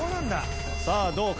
さあどうか？